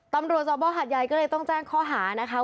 ตำรวจสภหัดใหญ่ก็เลยต้องแจ้งข้อหานะคะ